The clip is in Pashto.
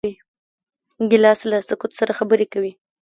ګیلاس له سکوت سره خبرې کوي.